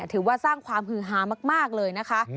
ถือว่าสร้างความฮือฮามากเลยนะคะ